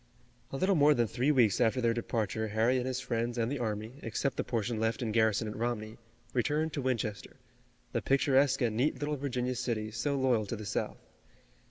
A little more than three weeks after their departure Harry and his friends and the army, except the portion left in garrison at Romney, returned to Winchester, the picturesque and neat little Virginia city so loyal to the South.